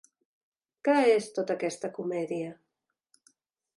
Què és tota aquesta comèdia?